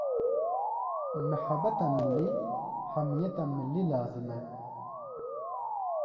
mihebeta millî, hemiyeta millî lazim e.